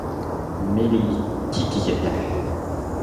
meli Kikijete